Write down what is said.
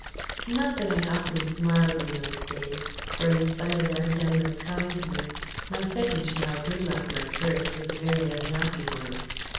Not that I often smiled, in those days; for, in spite of Aunt Emma's kindness, my second girlhood, like my first, was a very unhappy one.